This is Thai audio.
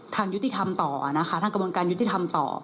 ทางยุติธรรมต่อนะคะทางกระบวนการยุติธรรมต่อ